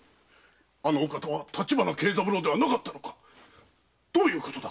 あのお方は立花慶三郎ではなかったのか⁉どういうことだ